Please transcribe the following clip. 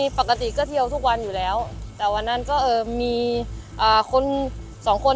สวัสดีครับที่ได้รับความรักของคุณ